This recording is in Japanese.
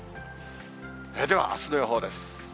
では、あすの予報です。